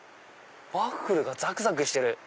ワッフルがザクザクしてる。